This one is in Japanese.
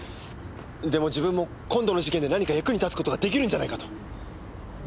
でも自分も今度の事件で何か役に立つ事が出来るんじゃないかと。